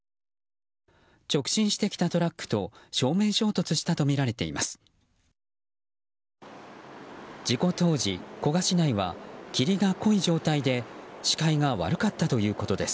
直進してきたトラックと正面衝突したとみられています。